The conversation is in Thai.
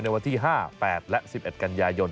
ในวันที่๕๘๑๑กัญญายน